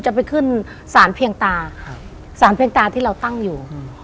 จะไปขึ้นศาลเพียงตาศาลเพียงตาที่เราตั้งอยู่